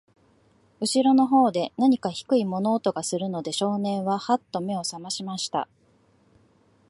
後ろの方で、なにか低い物音がするので、少年は、はっと目を覚ましました。